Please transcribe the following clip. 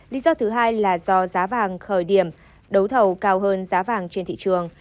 lý do thứ hai là do giá vàng khởi điểm đấu thầu cao hơn giá vàng trên thị trường